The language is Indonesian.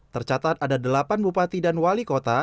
tercatat ada delapan bupati dan wali kota